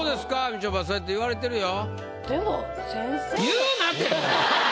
みちょぱそうやって言われてるよ。